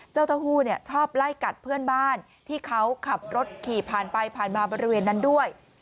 เจ้าเต้าหู้ชอบไล่กัดเพื่อนบ้านที่เขาขับรถขี่ผ่านไปผ่านมาบริเวณนั้นด้วย